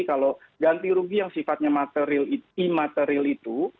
kalau ganti rugi yang sifatnya imaterial itu